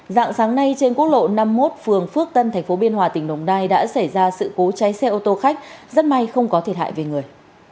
dạng sáng nay trên quốc lộ năm mươi một phường phước tân tp biên hòa tỉnh đồng nai đã xảy ra sự cố cháy xe ô tô khách rất may không có thiệt hại về người